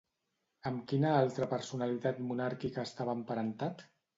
Amb quina altra personalitat monàrquica estava emparentat?